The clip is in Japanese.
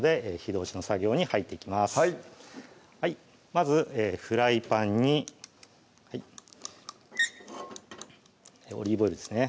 まずフライパンにオリーブオイルですね